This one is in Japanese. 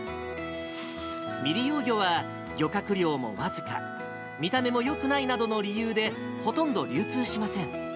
未利用魚は、漁獲量も僅か、見た目もよくないなどの理由で、ほとんど流通しません。